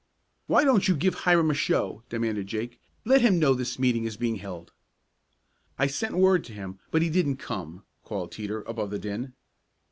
"Why don't you give Hiram a show?" demanded Jake. "Let him know this meeting is being held." "I sent word to him, but he didn't come," called Teeter, above the din.